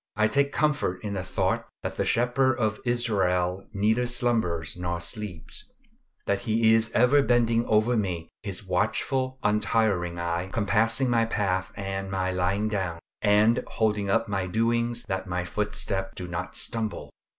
I take comfort in the thought that the Shepherd of Israel neither slumbers nor sleeps; that He is ever bending over me his watchful, untiring eye, compassing my path and my lying down, and holding up my doings that my footsteps do not stumble.